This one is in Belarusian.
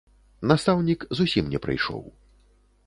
Настаўнік зусім не прыйшоў.